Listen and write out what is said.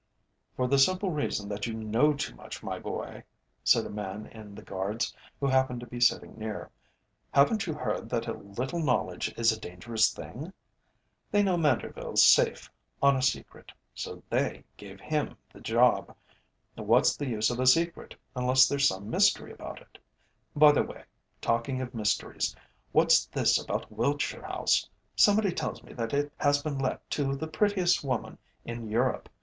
"For the simple reason that you know too much, my boy," said a man in the Guards, who happened to be sitting near. "Haven't you heard that a little knowledge is a dangerous thing? They know Manderville's safe on a secret, so they gave him the job. What's the use of a secret unless there's some mystery about it. By the way, talking of mysteries, what's this about Wiltshire House? Somebody tells me that it has been let to the prettiest woman in Europe.